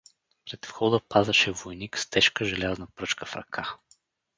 Пред входа пазеше войник с тежка желязна пръчка в ръка.